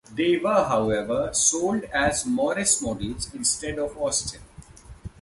They were, however, sold as Morris models instead of Austin.